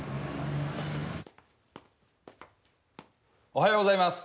おはようございます。